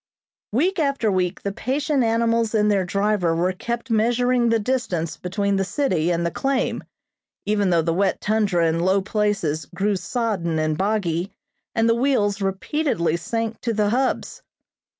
Week after week the patient animals and their driver were kept measuring the distance between the city and the claim, even though the wet tundra in low places grew sodden and boggy, and the wheels repeatedly sank to the hubs.